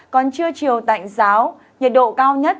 còn trưa chiều tạnh giáo nhiệt độ cao nhất